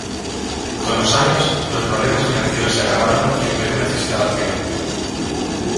Con los años los problemas financieros se agravaron y el Perú necesitaba dinero.